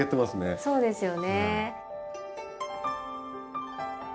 そうですよね。